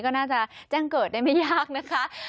ก็น่าจะแจ้งเกิดได้ไม่ยากนะคะ